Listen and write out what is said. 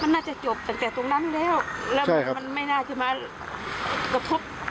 อย่างนั้นจะจบจากตรงนั้นแล้วไม่น่าจะมากระทบ